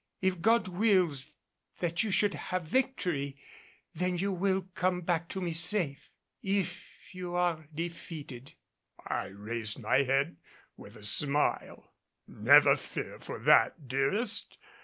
If God wills that you should have victory, then you will come back to me safe. If you are defeated " I raised my head with a smile. "Never fear for that, dearest.